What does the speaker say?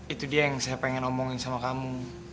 itu dia yang saya pengen omongin sama kamu